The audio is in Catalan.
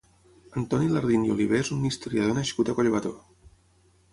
Antoni Lardín i Oliver és un historiador nascut a Collbató.